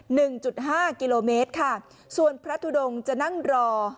หนึ่งจุดห้ากิโลเมตรค่ะส่วนพระทุดงจะนั่งรอ